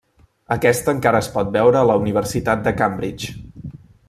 Aquesta encara es pot veure a la Universitat de Cambridge.